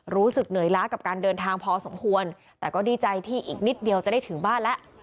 รู้สึกเหนื่อยล้ากับการเดินทางพอสมควรแต่ก็ดีใจที่อีกนิดเดียวจะได้ถึงบ้านแล้ว